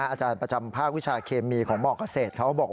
อาจารย์ประจำภาควิชาเคมีของมเกษตรเขาบอก